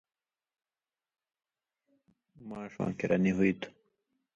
ماݜواں کِریا نی ہُوئ تُھو